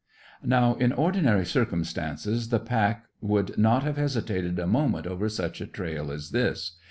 Now in ordinary circumstances the pack would not have hesitated a moment over such a trail as this.